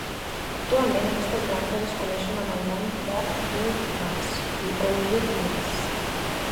Actualment, aquestes branques es coneixen amb el nom de Nieuwe Maas i Oude Maas.